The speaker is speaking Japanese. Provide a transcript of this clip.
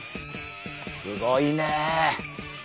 すごいねえ。